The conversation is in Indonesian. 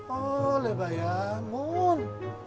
oleh bayam mon